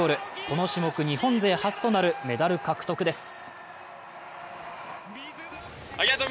この種目、日本勢初となるメダル獲得です。